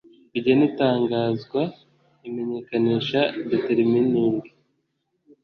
rigena itangazwa imenyekanisha determining